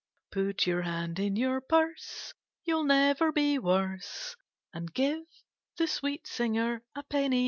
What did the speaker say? Put your hand in your purse, You'll never be worse. And give the sweet singer a penny.